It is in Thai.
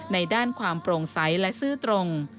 ในด้านความโปร่งใสและซื่อตรง